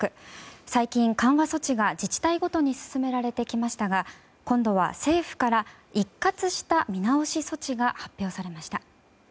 最近、緩和措置が自治体ごとに進められてきましたが今度は政府から一括した見直し措置が発表されました。